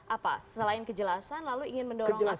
apa selain kejelasan lalu ingin mendorong apa lagi